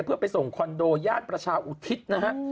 เพื่อไปส่งคอนโดย่านประชาอุทิศนะฮะ